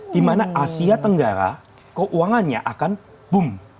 di mana asia tenggara keuangannya akan boom